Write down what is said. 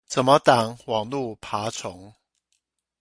怎麼擋網路爬蟲？